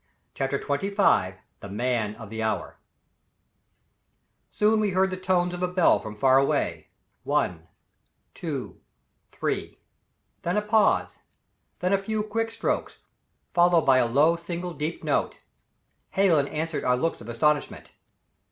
CHAPTER XXV The Man of the Hour Soon we heard the tones of a bell from far away one, two, three then a pause, then a few quick strokes, followed by a low, single deep note. Hallen answered our looks of astonishment.